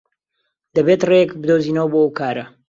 دەبێت ڕێیەک بدۆزینەوە بۆ ئەو کارە.